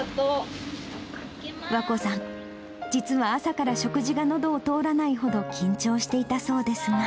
和恋さん、実は朝から食事がのどを通らないほど、緊張していたそうですが。